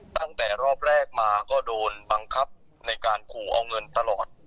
ตั้งแต่รอบแรกมาก็โดนบังคับในการขู่เอาเงินตลอด